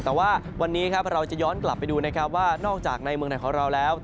แต่ว่าวันนี้ครับเราจะย้อนกลับไปดูนะครับว่านอกจากในเมืองไหนของเราแล้ว